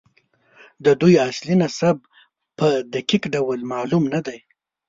د دوی اصل نسب په دقیق ډول معلوم نه دی.